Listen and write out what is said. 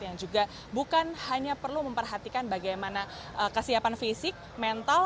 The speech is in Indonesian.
yang juga bukan hanya perlu memperhatikan bagaimana kesiapan fisik mental